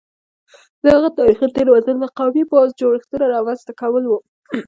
د هغه تاریخي تېروتنه د قومي پوځي جوړښتونو رامنځته کول وو